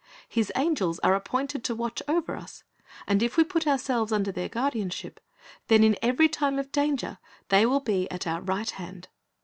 His angels are appointed to watch over us, and if we put ourselves under their guardianshij), then in every time of danger they will be at our right hand.